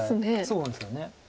そうなんですよね。